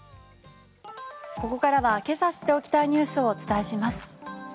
ここからはけさ知っておきたいニュースをお伝えします。